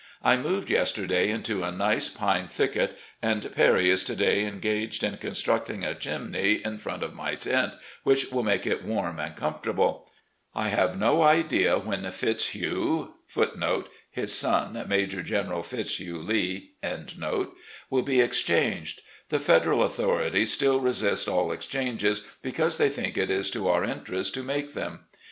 . I moved yesterday into a nice pine thicket, and Perry is to day engaged in constructing a chimney in front of my tent, which will make it warm and com fortable. I have no idea when Fitzhugh* will be ex changed. The Federal authorities still resist all ex changes, because they think it is to otu: interest to make them.